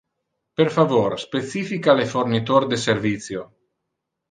Per favor specifica le fornitor de servicio.